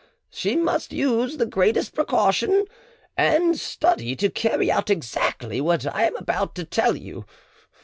She must use the greatest precaution, and study to carry out exactly what I am about to tell you.